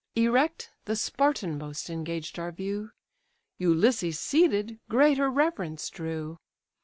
Erect, the Spartan most engaged our view; Ulysses seated, greater reverence drew.